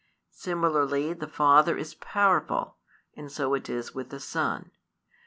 Similarly the Father is powerful, and so it is with the Son.